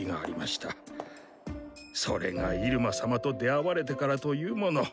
それがイルマ様と出会われてからというもの